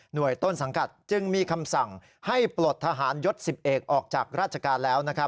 โดยต้นสังกัดจึงมีคำสั่งให้ปลดทหารยศ๑๑ออกจากราชการแล้ว